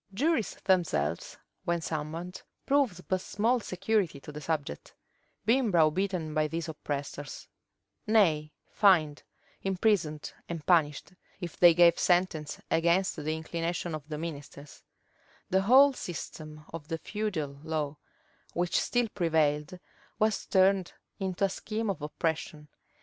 Juries themselves, when summoned, proved but small security to the subject; being browbeaten by these oppressors; nay, fined, imprisoned, and punished, if they gave sentence against the inclination of the ministers The whole system of the feudal law, which still prevailed, was turned into a scheme of oppression.